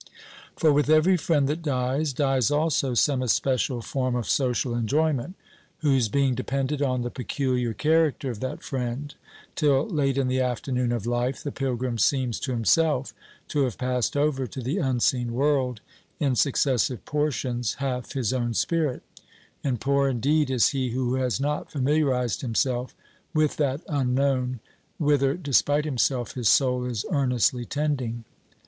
For with every friend that dies, dies also some especial form of social enjoyment, whose being depended on the peculiar character of that friend; till, late in the afternoon of life, the pilgrim seems to himself to have passed over to the unseen world in successive portions half his own spirit; and poor indeed is he who has not familiarized himself with that unknown, whither, despite himself, his soul is earnestly tending.